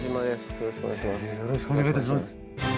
よろしくお願いします。